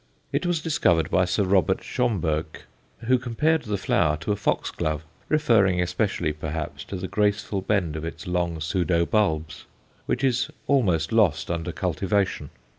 It was discovered by Sir Robert Schomburgk, who compared the flower to a foxglove, referring especially, perhaps, to the graceful bend of its long pseudo bulbs, which is almost lost under cultivation.